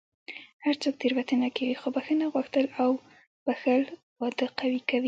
هر څوک تېروتنه کوي، خو بښنه غوښتل او بښل واده قوي کوي.